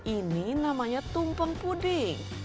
ini namanya tumpeng puding